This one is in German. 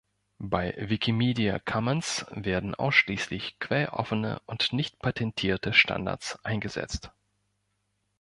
Bei Wikimedia Commons werden ausschließlich quelloffene und nicht patentierte Standards eingesetzt.